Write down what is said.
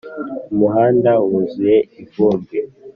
umuhanda wuzuye ivumbi.